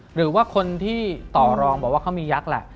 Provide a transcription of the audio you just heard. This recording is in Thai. หรือว่าคนที่ต่อรองบอกว่าเขามียักษ์แหละ